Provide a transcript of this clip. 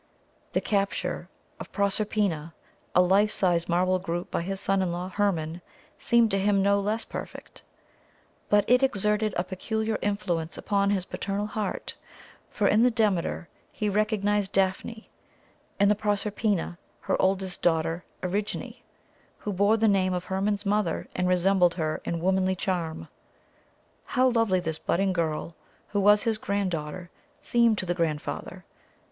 The Capture of Proserpina, a life size marble group by his son in law Hermon, seemed to him no less perfect; but it exerted a peculiar influence upon his paternal heart, for, in the Demeter, he recognised Daphne, in the Proserpina her oldest daughter Erigone, who bore the name of Hermon's mother and resembled her in womanly charm. How lovely this budding girl, who was his grand daughter, seemed to the grandfather!